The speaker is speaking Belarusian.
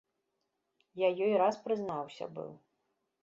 Я ёй раз прызнаўся быў.